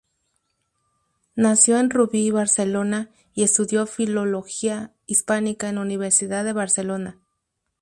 Nació en Rubí, Barcelona y estudió filología hispánica en la Universidad de Barcelona.